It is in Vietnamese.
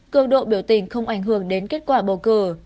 cường độ biểu tình không ảnh hưởng đến kết quả bầu cử